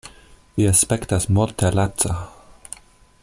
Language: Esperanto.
Vi aspektas morte laca.